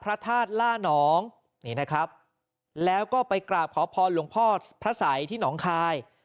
พระธาตุล่านองนี่นะครับแล้วก็ไปกราบขอพรหลวงพ่อพระสัยที่หนองคาย